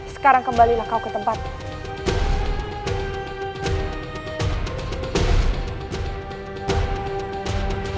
sekarang kembalilah kau ke tempat